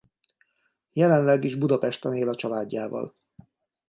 Jelenleg is Budapesten él a családjával.